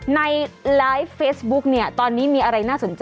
ในไลฟ์เฟซบุ๊กเนี่ยตอนนี้มีอะไรน่าสนใจ